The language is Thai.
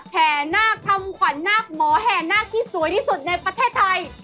แหนากธรรมควันนาคมอาห์แหนนาคที่สวยที่สุดในประเทศไทย